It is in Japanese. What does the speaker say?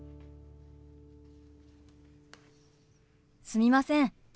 すみません。